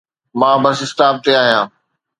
مان bus stop تي آهيان.